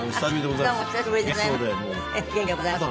どうもお久しぶりでございます。